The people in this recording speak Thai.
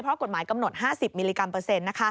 เพราะกฎหมายกำหนด๕๐มิลลิกรัมเปอร์เซ็นต์